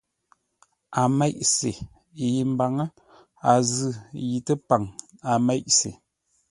A mêʼ se; yi mbaŋə́, a zʉ̂, yi təpaŋ, a mêʼ se.